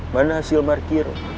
mana hasil parkir